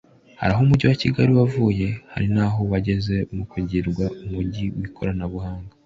Hari aho Umujyi wa Kigali wavuye hari n’aho wageze mu kugirwa Umujyi w’ikoranabuhanga